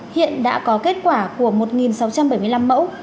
hiện đã có kết quả của một sáu trăm bảy mươi năm mẫu